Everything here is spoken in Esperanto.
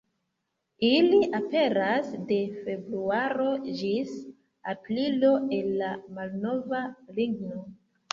Ili aperas de februaro ĝis aprilo el la malnova ligno.